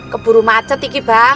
keburu macet iki bang